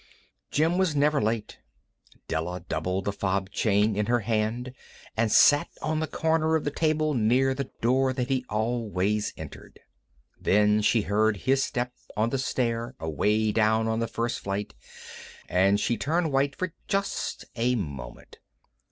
Jim was never late. Della doubled the fob chain in her hand and sat on the corner of the table near the door that he always entered. Then she heard his step on the stair away down on the first flight, and she turned white for just a moment.